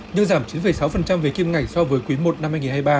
nhưng giảm chín sáu về kim ngạch so với quý i năm hai nghìn hai mươi ba